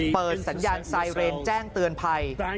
เปิดสัญญาณไซเรนแจ้งเตือนภัย